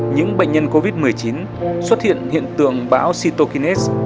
những bệnh nhân covid một mươi chín xuất hiện hiện tượng bão sitokiness